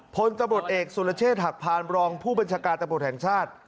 พลตบรุษเอกสุรเชษฐ์หักพารบรองผู้ประชาการตบรุษแห่งชาติ